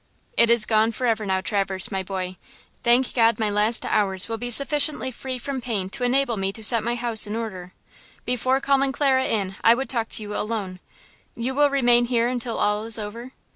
"It is gone forever now, Traverse, my boy; thank God my last hours will be sufficiently free from pain to enable me to set my house in order. Before calling Clara in I would talk to you alone. You will remain here until all is over?"